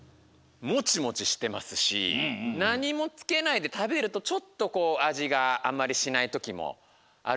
モチモチしてますしなにもつけないでたべるとちょっとこうあじがあんまりしないときもあるかなと。